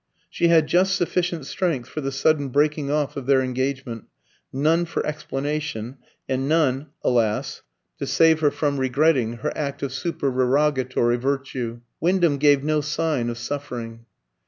She had just sufficient strength for the sudden breaking off of their engagement, none for explanation, and none, alas! to save her from regretting her act of supererogatory virtue. Wyndham gave no sign of suffering.